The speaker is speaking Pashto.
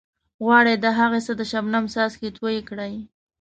غواړئ د هغې څخه د شبنم څاڅکي توئ کړئ.